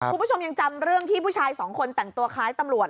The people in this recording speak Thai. คุณผู้ชมยังจำเรื่องที่ผู้ชายสองคนแต่งตัวคล้ายตำรวจ